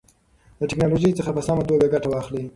له ټیکنالوژۍ څخه په سمه توګه ګټه واخلئ.